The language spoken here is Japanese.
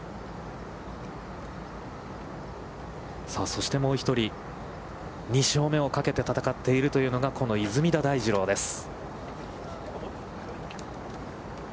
そしてもう１人、２勝目をかけて戦っているというのが、この出水田大二郎です。